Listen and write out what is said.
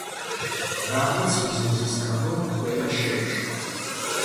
რაღაც მიზეზის გამო ყველა შეეშვა.